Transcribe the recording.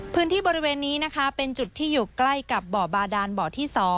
พื้นที่บริเวณนี้นะคะเป็นจุดที่อยู่ใกล้กับบ่อบาดานบ่อที่๒